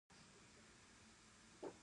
دوی د ګازو لویې پایپ لاینونه لري.